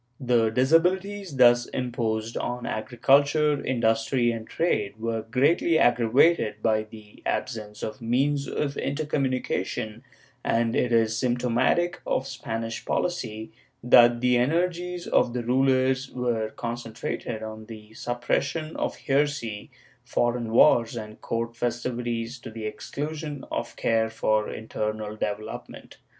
^ The disabilities thus imposed on agriculture, industry, and trade were greatly aggravated by the absence of means of intercom munication, and it is symptomatic of Spanish policy that the energies of the rulers were concentrated on the suppression of heresy, foreign wars and court festivities to the exclusion of care for internal development.